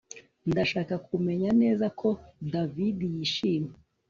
Ndashaka kumenya neza ko David yishimye